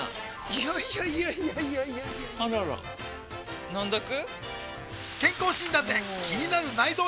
いやいやいやいやあらら飲んどく？